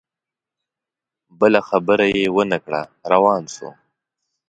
بله خبره یې ونه کړه روان سو